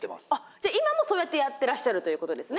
じゃあ今もそうやってやってらっしゃるということですね。